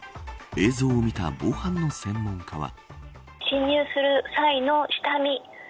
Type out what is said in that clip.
映像を見た防犯の専門家は。